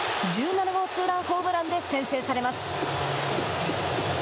１７号ツーランホームランで先制されます。